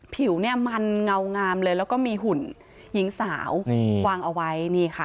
ผิวมันเงางามเลยแล้วก็มีหุ่นหญิงสาววางเอาไว้